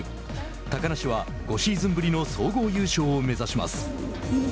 高梨は、５シーズンぶりの総合優勝を目指します。